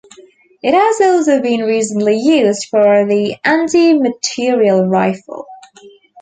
It has also been recently used for the anti-materiel rifle.